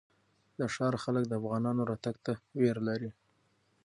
د ښار خلک د افغانانو راتګ ته وېره لري.